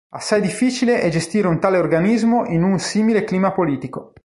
Assai difficile è gestire un tale organismo in un simile clima politico.